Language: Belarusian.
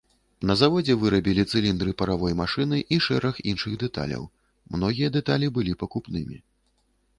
На заводзе вырабілі цыліндры паравой машыны і шэраг іншых дэталяў, многія дэталі былі пакупнымі.